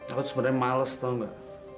aku tuh sebenarnya males tahu nggak